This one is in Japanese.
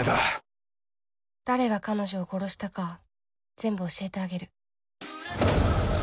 誰が彼女を殺したか全部教えてあげる。